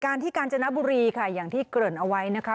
ที่กาญจนบุรีค่ะอย่างที่เกริ่นเอาไว้นะคะ